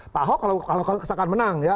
pak ahok kalau seakan menang ya